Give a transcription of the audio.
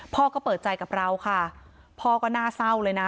พ่อก็เปิดใจกับเราค่ะพ่อก็น่าเศร้าเลยนะ